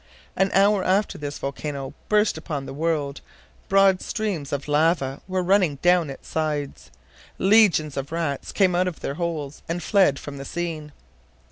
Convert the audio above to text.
An hour after this volcano burst upon the world, broad streams of lava were running down its sides. Legions of rats came out of their holes, and fled from the scene.